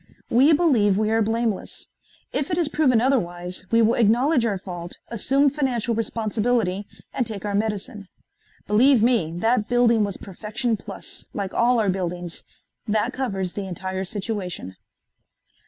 We believe we are blameless. If it is proven otherwise we will acknowledge our fault, assume financial responsibility, and take our medicine. Believe me, that building was perfection plus, like all our buildings. That covers the entire situation."